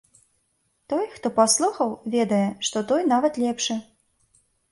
Той, хто паслухаў, ведае, што той, нават лепшы.